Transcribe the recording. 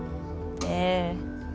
ええ。